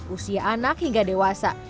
usia anak hingga dewasa